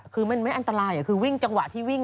คือมันไม่อันตรายคือวิ่งจังหวะที่วิ่ง